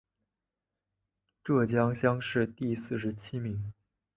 浙江乡试第四十七名。